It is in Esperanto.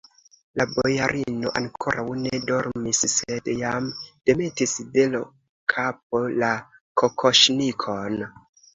La bojarino ankoraŭ ne dormis, sed jam demetis de l' kapo la kokoŝnikon.